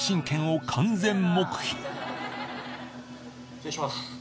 失礼します。